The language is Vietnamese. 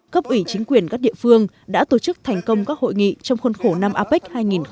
cấp ủy chính quyền các địa phương đã tổ chức thành công các hội nghị trong khuôn khổ năm apec hai nghìn hai mươi